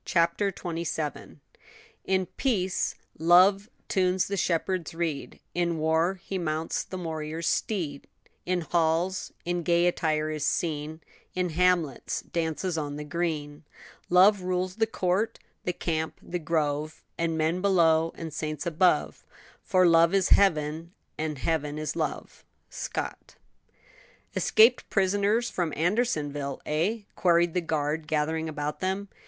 CHAPTER TWENTY SEVENTH. "In peace, love tunes the shepherd's reed; In war, he mounts the warrior's steed; In halls, in gay attire is seen; In hamlets, dances on the green; Love rules the court, the camp, the grove, And men below and saints above; For love is heaven, and heaven is love." SCOTT. "Escaped prisoners from Andersonville, eh?" queried the guard gathering about them.